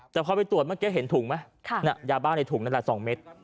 แต่พอไปตรวจเมื่อกี้เห็นถุงไหมยาบ้าในถุงนั่นแหละ๒เม็ด